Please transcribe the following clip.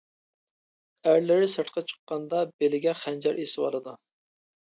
ئەرلىرى سىرتقا چىققاندا بېلىگە خەنجەر ئېسىۋالىدۇ.